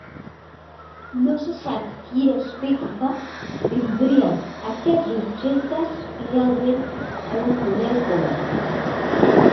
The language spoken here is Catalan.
No se sap quin aspecte tindrien aquests objectes realment en un model com aquest.